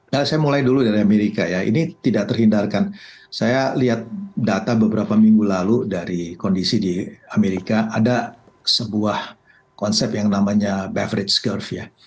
nah saya mulai dulu dari amerika ya ini tidak terhindarkan saya lihat data beberapa minggu lalu dari kondisi di amerika ada sebuah konsep yang namanya beverage curve ya